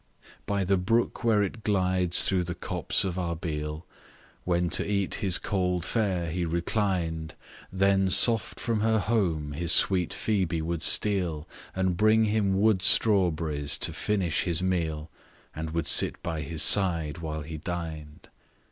By the brook where it glides through the copse of Arbeal, When to eat his cold fare he reclined, Then soft from her home his sweet Phoebe would steal, And bring him wood strawberries to finish his meal, And would sit by his side while he dined.